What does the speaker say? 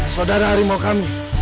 saudara harimau kami